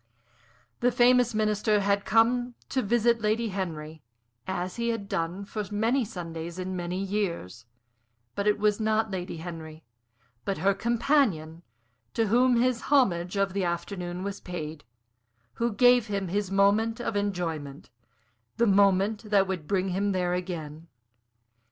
The famous Minister had come to visit Lady Henry, as he had done for many Sundays in many years; but it was not Lady Henry, but her companion, to whom his homage of the afternoon was paid, who gave him his moment of enjoyment the moment that would bring him there again.